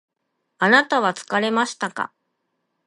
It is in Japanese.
あなたは疲れましたか？